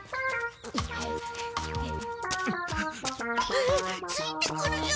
わっついてくるよ！？